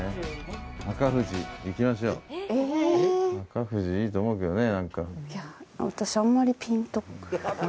赤富士いいと思うけどね。